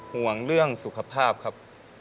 ห่วงเรื่องสุขภาพครับ